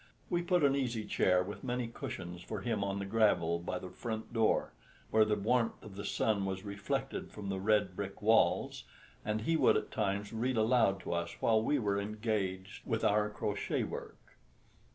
We put an easy chair with many cushions for him on the gravel by the front door, where the warmth of the sun was reflected from the red brick walls, and he would at times read aloud to us while we were engaged with our crochet work.